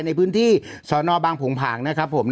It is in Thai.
ในพื้นที่สอนอบางผงผางนะครับผม